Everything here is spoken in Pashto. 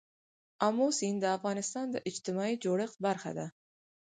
آمو سیند د افغانستان د اجتماعي جوړښت برخه ده.